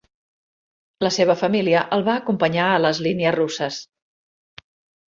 La seva família el va acompanyar a les línies russes.